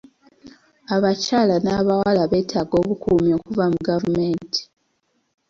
Abakyala n'abawala beetaaga obukuumi okuva mu gavumenti.